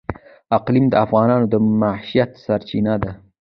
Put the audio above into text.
اقلیم د افغانانو د معیشت سرچینه ده.